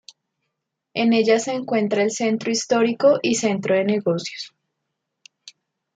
En ella se encuentra el centro histórico y centro de negocios.